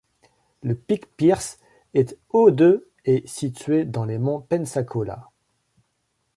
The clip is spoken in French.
Le Pic Pierce est haut de et situé dans les monts Pensacola.